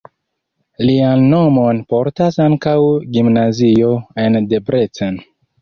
Lian nomon portas ankaŭ gimnazio en Debrecen.